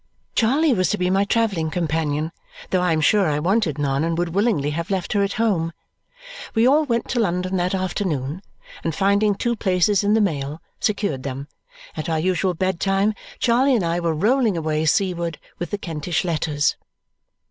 Charley was to be my travelling companion, though I am sure I wanted none and would willingly have left her at home. We all went to London that afternoon, and finding two places in the mail, secured them. At our usual bed time, Charley and I were rolling away seaward with the Kentish letters.